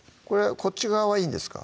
こっち側はいいんですか？